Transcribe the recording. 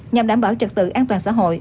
nhằm đảm bảo trật tự an toàn xã hội